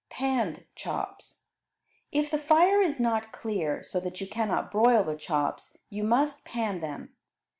Panned Chops If the fire is not clear so that you cannot broil the chops, you must pan them.